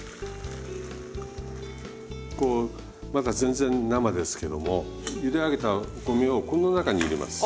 こうまだ全然生ですけどもゆで上げたお米をこの中に入れます。